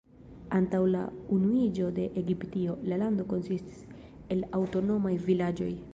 Antaŭ la unuiĝo de Egiptio, la lando konsistis el aŭtonomaj vilaĝoj.